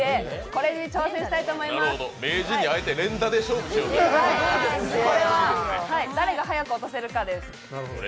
これは誰が早く落とせるかです。